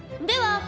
では